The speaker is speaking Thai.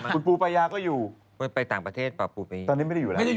คุณปูปายาก็อยู่ตอนนี้ไม่ได้อยู่แล้วพวกดาราอยู่นี่